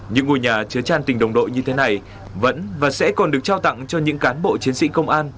những ngôi nhà chứa tràn tình đồng đội như thế này vẫn và sẽ còn được trao tặng cho những cán bộ chiến sĩ công an